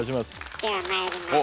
ではまいります。